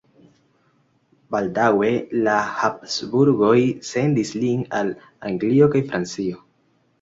Baldaŭe la Habsburgoj sendis lin al Anglio kaj Francio.